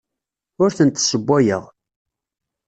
Ur tent-ssewwayeɣ.